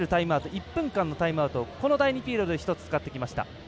１分間のタイムアウトを第２ピリオドで１つ使ってきました。